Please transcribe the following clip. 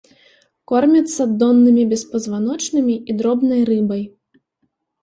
Кормяцца доннымі беспазваночнымі і дробнай рыбай.